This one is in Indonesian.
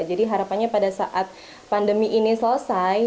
jadi harapannya pada saat pandemi ini selesai